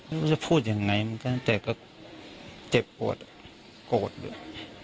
เขาจะพูดอย่างไรแต่ก็เจ็บโปรดโกรธด้วย